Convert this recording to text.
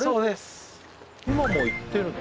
今も行ってるの？